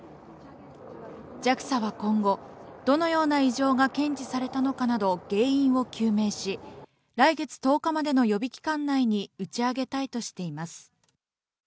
ＪＡＸＡは今後、どのような異常が検知されたのかなど、原因を究明し、来月１０日までの予備期間内に打ち上げたいとしています。